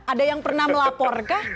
ada yang pernah melaporkah